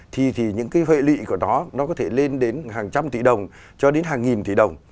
thì những cái huệ lị của nó nó có thể lên đến hàng trăm tỷ đồng cho đến hàng nghìn tỷ đồng